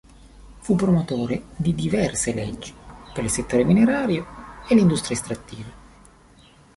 Fu promotore di diverse leggi per il settore minerario e l'industria estrattiva.